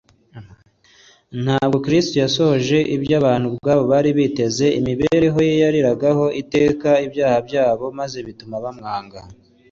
ntabwo kristo yasohoje ibyo abantu ubwabo bari biteze; imibereho ye yariragaho iteka ibyaha byabo, maze bituma bamwanga